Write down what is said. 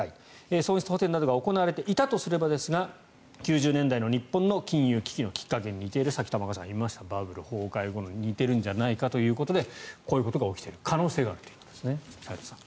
損失補てんが行われていたとすれば９０年代の日本の金融危機のきっかけに似ているさっき玉川さんが言いましたがバブル崩壊に似ているんじゃないかということでこういうことが起きている可能性があるということですね。